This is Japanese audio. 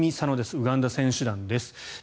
ウガンダ選手団です。